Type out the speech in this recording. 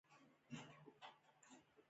ګډون کوونکی باید د شرکت یو یا څو سهمونه واخلي